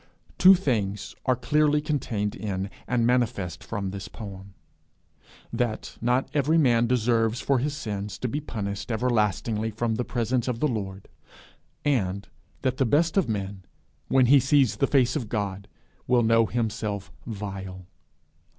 Two things are clearly contained in, and manifest from this poem: that not every man deserves for his sins to be punished everlastingly from the presence of the Lord; and that the best of men, when he sees the face of God, will know himself vile.